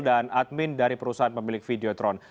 dan admin dari perusahaan pemilik video tron